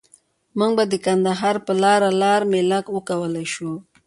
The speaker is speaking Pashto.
مونږ به د کندهار په لاره لار میله وکولای شو.